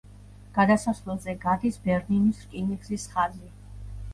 გადასასვლელზე გადის ბერნინის რკინიგზის ხაზი.